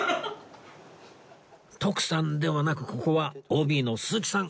徳さんではなくここは ＯＢ の鈴木さん